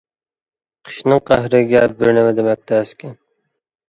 قىشنىڭ قەھرىگە بىر نېمە دېمەك تەسكەن.